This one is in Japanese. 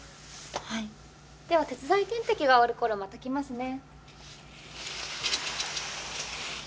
はいでは鉄剤点滴が終わる頃また来ますね